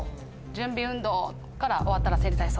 準備運動から終わったら整理体操。